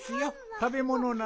たべものなら。